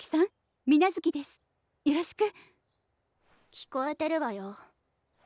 聞こえてるわよ！